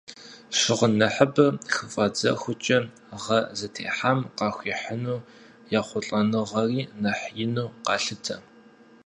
Щыгъын нэхъыбэ хыфӀадзэхукӀэ, гъэ зытехьам къахуихьыну ехъулӀэныгъэри нэхъ иныну къалъытэ.